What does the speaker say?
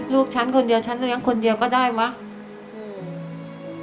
ลูกฉันคนเดียวฉันยังคนเดียวก็ได้มั้ย